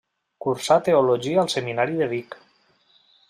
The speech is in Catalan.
Cursà teologia al Seminari de Vic.